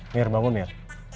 mir bangun mir